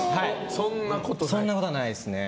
そんなことはないですね。